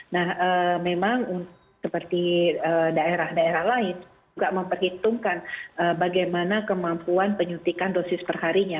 nah memang seperti daerah daerah lain juga memperhitungkan bagaimana kemampuan penyuntikan dosis perharinya